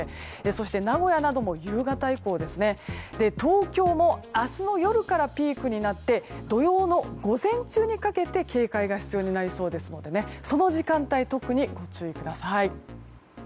そして名古屋なども夕方以降東京も明日の夜からピークになって土曜の午前中にかけて警戒が必要になりそうなのでその時間帯特にご注意ください。